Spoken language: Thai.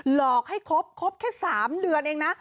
หลอกให้ครบครบแค่๓เดือนเองนะ